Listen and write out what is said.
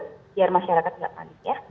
biar masyarakat lihat lagi ya